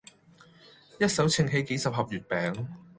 一手掅起幾十盒月餅